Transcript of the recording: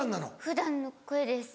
普段の声です。